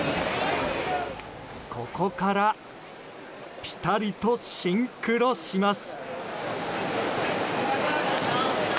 ここからピタリとシンクロします。